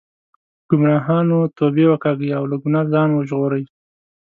ګمراهانو توبې وکاږئ او له ګناه ځان وژغورئ.